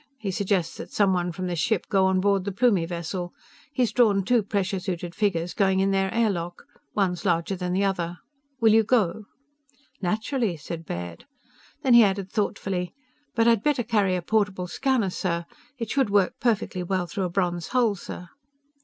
He suggests that someone from this ship go on board the Plumie vessel. He's drawn two pressure suited figures going in their air lock. One's larger than the other. Will you go?" "Naturally!" said Baird. Then he added thoughtfully: "But I'd better carry a portable scanner, sir. It should work perfectly well through a bronze hull, sir."